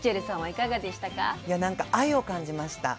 いやなんか愛を感じました。